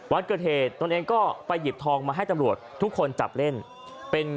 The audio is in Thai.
วันเกิดเหตุตนเองก็ไปหยิบทองมาให้ตำรวจทุกคนจับเล่นเป็น